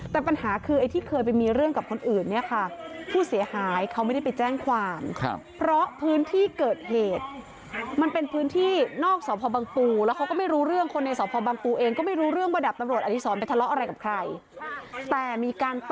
แต่ปัญหาคือไอ้ที่เคยไปมีเรื่องกับคนอื่นเนี่ยค่ะผู้เสียหายเขาไม่ได้ไปแจ้งความ